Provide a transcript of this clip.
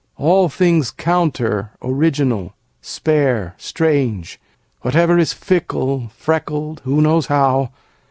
All things counter, original, spare, strange; Whatever is fickle, freckled (who knows how?)